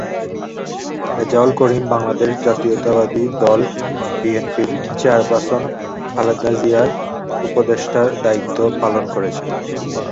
রেজাউল করিম বাংলাদেশ জাতীয়তা বাদী দল-বিএনপির চেয়ারপারসন খালেদা জিয়ার উপদেষ্টার দায়িত্ব পালন করেছেন।